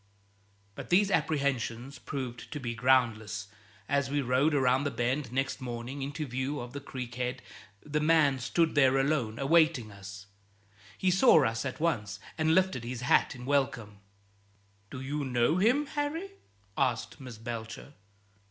But these apprehensions proved to be groundless. As we rowed around the bend next morning into view of the creek head the man stood there alone, awaiting us. He saw us at once, and lifted his hat in welcome. "Do you know him, Harry?" asked Miss Belcher.